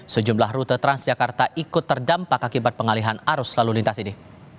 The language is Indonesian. sejumlah rute transjakarta ikut terdampak akibat pengalihan arus lalu lintas ini